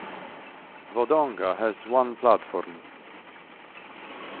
Wodonga has one platform.